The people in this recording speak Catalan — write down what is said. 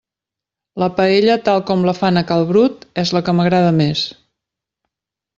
La paella tal com la fan a cal Brut és la que m'agrada més.